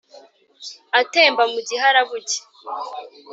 atemba mu giharabuge.